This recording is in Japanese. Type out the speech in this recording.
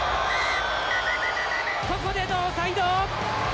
ここでノーサイド！